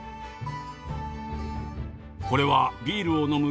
これはビールを飲む陶器の器。